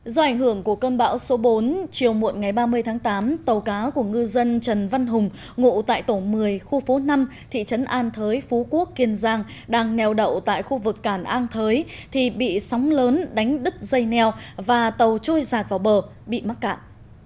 do ảnh hưởng của cơn bão số bốn chiều muộn ngày ba mươi tháng tám tàu cá của ngư dân trần văn hùng ngụ tại tổ một mươi khu phố năm thị trấn an thới phú quốc kiên giang đang neo đậu tại khu vực cản an thới thì bị sóng lớn đánh đứt dây neo và tàu trôi giạt vào bờ bị mắc cạn